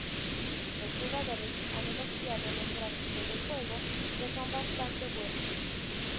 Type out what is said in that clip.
Los jugadores han elogiado los gráficos del juego, que son bastante buenos.